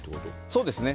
そうですね。